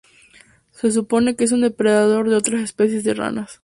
Se supone que es un depredador de otras especies de ranas.